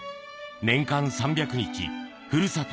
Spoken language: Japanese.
年間３００日、ふるさと